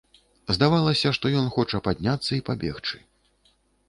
Здавалася, што ён хоча падняцца і пабегчы.